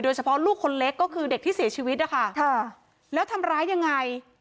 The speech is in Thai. เฉพาะลูกคนเล็กก็คือเด็กที่เสียชีวิตนะคะแล้วทำร้ายยังไง